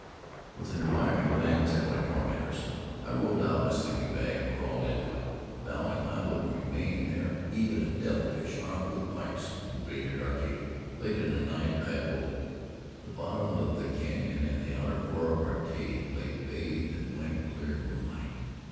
With an admiring glance at my tormentors, I rolled out my sleeping bag and crawled into it, vowing I would remain there even if devil fish, armed with pikes, invaded our cave. Late in the night I awoke. The bottom of the canyon and the outer floor of our cave lay bathed in white, clear moonlight.